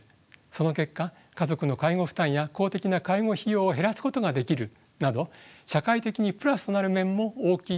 その結果家族の介護負担や公的な介護費用を減らすことができるなど社会的にプラスとなる面も大きいと思われます。